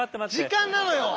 時間なのよ！